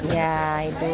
yang buat hidung ya